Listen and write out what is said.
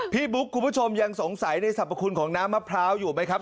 บุ๊คคุณผู้ชมยังสงสัยในสรรพคุณของน้ำมะพร้าวอยู่ไหมครับ